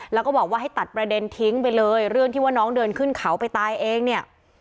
แล้วก็บอกว่าให้ตัดประเด็นทิ้งไปเลยเรื่องที่ว่าน้องเดินขึ้นเขาไปตายเองเนี่ย